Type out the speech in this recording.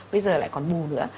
bây giờ lại còn bù nữa